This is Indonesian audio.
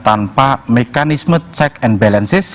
tanpa mekanisme check and balances